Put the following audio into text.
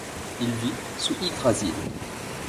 Il vit sous Yggdrasil.